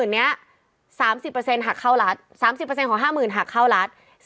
๕๐๐๐๐เนี่ย๓๐หักเข้าลัด๓๐ของ๕๐๐๐๐หักเข้าลัด